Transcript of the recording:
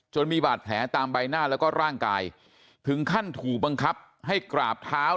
มีบาดแผลตามใบหน้าแล้วก็ร่างกายถึงขั้นถูกบังคับให้กราบเท้า